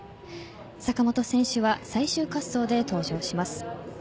坂本選手は最終滑走で登場します。